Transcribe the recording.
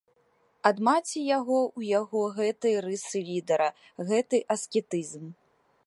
Ад маці яго ў яго гэтыя рысы лідэра, гэты аскетызм.